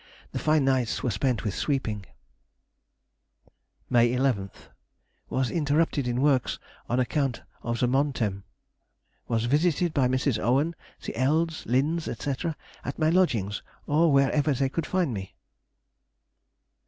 The fine nights were spent with sweeping. May 14th.—Was interrupted in works on account of the Montem. [Montem].—Was visited by Mrs. Owen, the Elds, Linds, &c., at my lodgings, or wherever they could find me.